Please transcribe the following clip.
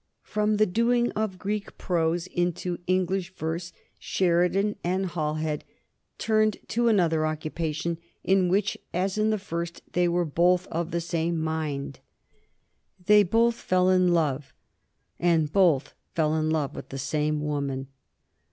From the doing of Greek prose into English verse Sheridan and Halhed turned to another occupation, in which, as in the first, they were both of the same mind. They both fell in love, and both fell in love with the same woman.